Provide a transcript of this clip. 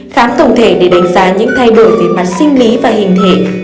khám tổng thể để đánh giá những thay đổi về mặt sinh lý và hình thể